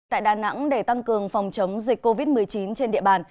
tại đà nẵng để tăng cường phòng chống dịch covid một mươi chín trên địa bàn